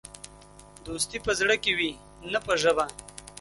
دوستي په زړه کې وي، نه په ژبه.